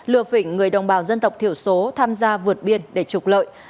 lừa phỉnh người đồng bào dân tộc thiểu số tham gia vượt biên để trục lợi